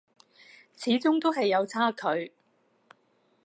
始終都係有差距